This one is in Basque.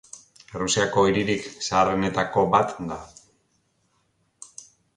Errusiako hiririk zaharrenetako bat da.